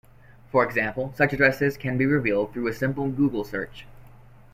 For example, such addresses can be revealed through a simple Google Search.